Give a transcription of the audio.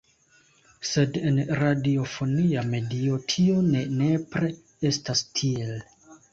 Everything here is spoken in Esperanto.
Sed en radiofonia medio tio ne nepre estas tiel.